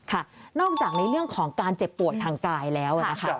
นอกจากในเรื่องของการเจ็บป่วยทางกายแล้วนะคะ